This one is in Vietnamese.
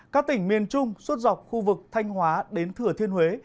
các tỉnh miền trung suốt dọc khu vực thanh hóa đến thừa thiên huế